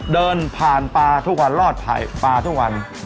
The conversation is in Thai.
เดินผ่านปลาทุกวันรอดปลาทุกวัน